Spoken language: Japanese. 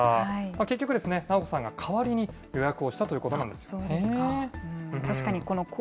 結局ですね、ナオコさんが代わりに予約をしたということなんですよね。